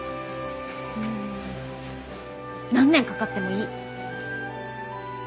ん何年かかってもいい。